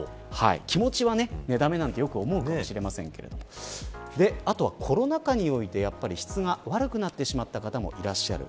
気持ちは、寝だめなんて強く思うかもしれませんけどあとはコロナ禍において質が悪くなってしまった方もいらっしゃる。